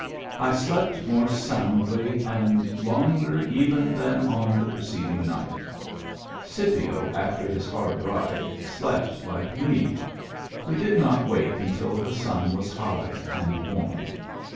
I slept more soundly and longer even than on the preceding night Scipio, after his hard ride, slept like me ; we did not wake until the sun was high and warm.